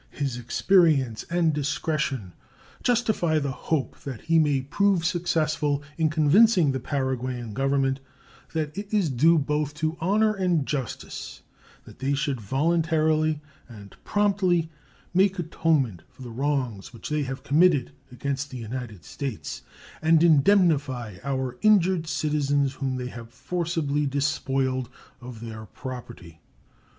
His experience and discretion justify the hope that he may prove successful in convincing the Paraguayan Government that it is due both to honor and justice that they should voluntarily and promptly make atonement for the wrongs which they have committed against the United States and indemnify our injured citizens whom they have forcibly despoiled of their property.